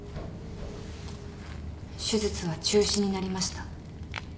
手術は中止になりました。